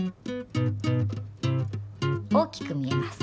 大きく見えます。